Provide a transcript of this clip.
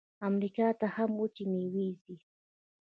امریکا ته هم وچې میوې ځي.